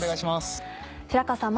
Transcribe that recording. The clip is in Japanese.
白川さん